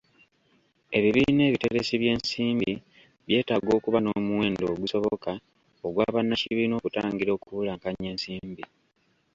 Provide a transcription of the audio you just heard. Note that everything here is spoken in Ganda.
Ebibiina ebiteresi by'ensimbi byetaaga okuba n'omuwendo ogusoboka ogwa bannakibiina okutangira okubulankanya ensimbi.